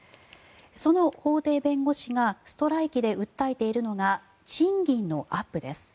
その法廷弁護士がストライキで訴えているのが賃金のアップです。